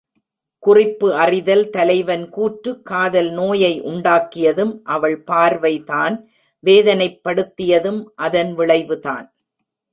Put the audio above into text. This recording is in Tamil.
குறிப்பு அறிதல் தலைவன் கூற்று காதல் நோயை உண்டாக்கியதும் அவள் பார்வை தான் வேதனைப்படுத்தியதும் அதன் விளைவுதான்.